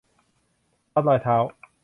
วัดรอยเท้า